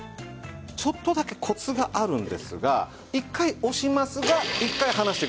ちょっとだけコツがあるんですが１回押しますが１回離してください。